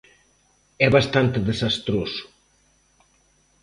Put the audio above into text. É bastante desastroso.